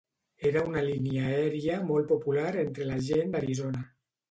Era una línia aèria molt popular entre la gent d'Arizona.